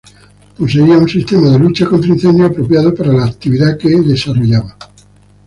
Poseía un sistema de lucha contra incendios apropiado para la actividad que desarrolla.